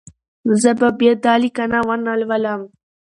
زه به بیا دا لیکنه ونه لولم.